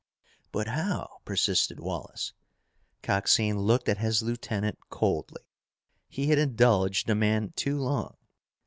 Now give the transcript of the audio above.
"But how?" persisted Wallace. Coxine looked at his lieutenant coldly. He had indulged the man too long.